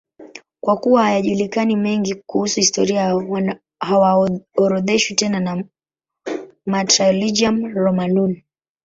Kwa kuwa hayajulikani mengine kuhusu historia yao, hawaorodheshwi tena na Martyrologium Romanum.